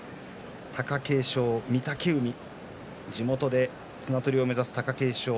貴景勝は御嶽海地元で綱取りを目指す貴景勝。